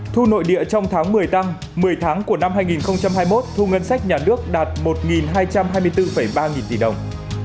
thu nội địa trong tháng một mươi tăng một mươi tháng của năm hai nghìn hai mươi một thu ngân sách nhà nước đạt một hai trăm hai mươi bốn ba nghìn tỷ đồng